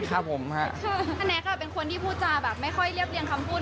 ค้าแน็ตครับเป็นคนที่พูดจาไม่ค่อยเรียบเรียงคำพูด